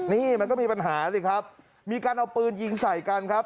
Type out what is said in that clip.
นี่มันก็มีปัญหาสิครับมีการเอาปืนยิงใส่กันครับ